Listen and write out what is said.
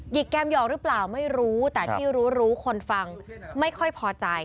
แก้มหยอกหรือเปล่าไม่รู้แต่ที่รู้รู้คนฟังไม่ค่อยพอใจ